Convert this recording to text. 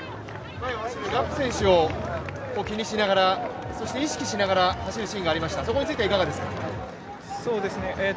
ラップ選手を気にしながらそして意識しながら走るシーンがありましたが、そこについてはいかがですか。